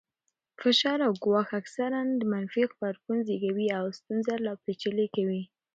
فشار او ګواښ اکثراً منفي غبرګون زېږوي او ستونزه لا پېچلې کوي.